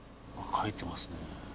書いてます？